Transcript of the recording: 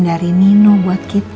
jadi yang tuju